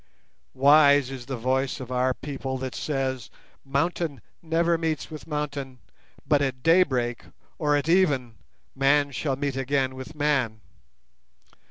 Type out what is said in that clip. Wise is the voice of our people that says, 'Mountain never meets with mountain, but at daybreak or at even man shall meet again with man.